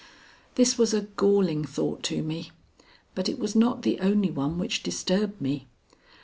This was a galling thought to me. But it was not the only one which disturbed me.